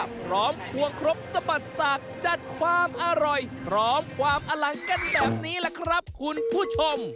พร้อมควงครบสะบัดศักดิ์จัดความอร่อยพร้อมความอลังกันแบบนี้แหละครับคุณผู้ชม